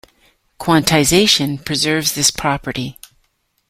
Quantization preserves this property.